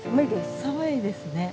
寒いですね。